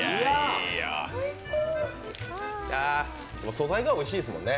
素材がおいしいですもんね。